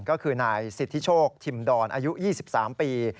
ก็คือนายสิทธิโชคทิมดอนอายุ๒๓ปี